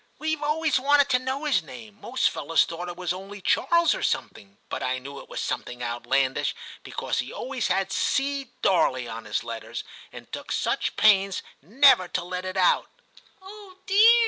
We've always wanted to know his name; most fellows V TIM 113 thought it was only Charles or something, but I knew it was something outlandish, because he always had "C. Darley" on his letters, and took such pains never to let it out/ * Oh dear